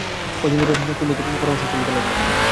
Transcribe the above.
কয়দিন ধরিয়া ক্রমিক পরামর্শ চলিতে লাগিল।